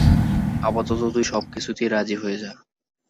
আপাতত তুই সব কিছুতেই রাজি হয়ে যা।